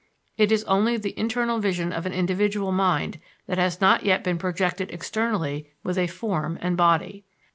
It is only the internal vision of an individual mind that has not yet been projected externally with a form and body.